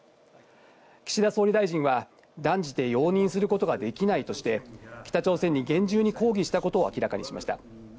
岸田総理大臣は、断じて容認することができないとして、北朝鮮に厳重に抗議したことを明らかにしました。